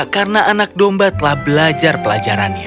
karena anak domba telah belajar pelajarannya